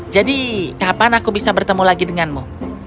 jadi kapan aku bisa bertemu lagi denganmu